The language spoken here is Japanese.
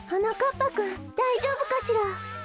ぱくんだいじょうぶかしら？